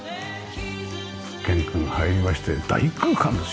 玄関入りまして大空間ですよね。